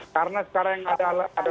karena sekarang yang ada